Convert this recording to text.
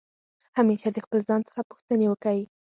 همېشه د خپل ځان څخه پوښتني وکئ!